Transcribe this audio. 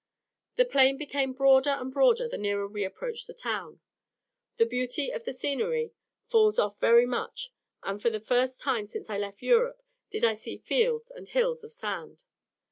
The plain became broader and broader the nearer we approached the town; the beauty of the scenery falls off very much, and for the first time since I left Europe, did I see fields and hills of sand.